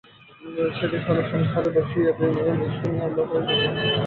সেইদিন সন্ধ্যার সময় ছাদে বসিয়াছি, বোষ্টমী আমার পায়ের কাছে আসিয়া বসিল।